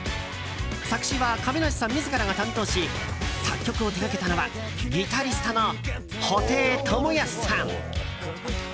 作詞は亀梨さん自らが担当し作曲を手掛けたのはギタリストの布袋寅泰さん。